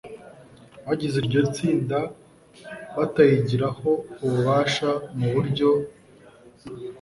Bagize iryo tsinda batayigiraho ububasha mu buryo